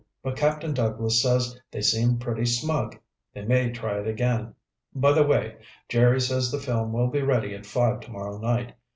But Captain Douglas says they seemed pretty smug. They may try it again. By the way, Jerry says the film will be ready at five tomorrow night.